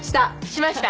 しました